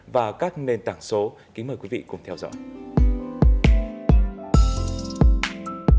và các nền tảng số kính mời quý vị cùng theo dõi